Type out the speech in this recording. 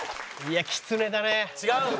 違う！